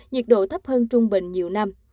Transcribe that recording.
nhiệt độ thấp hơn trung bình nhiều năm